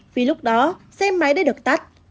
vì lúc đó xe máy đã được tắt